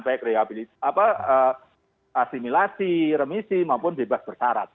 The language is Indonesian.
baik reabilitas asimilasi remisi maupun bebas persyarat